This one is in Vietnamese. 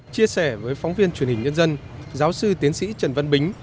chia sẻ với phóng viên truyền hình nhân dân giáo sư tiến sĩ trần văn bính